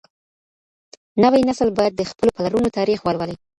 نوی نسل بايد د خپلو پلرونو تاريخ ولولي.